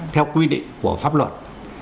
theo quy định của pháp luật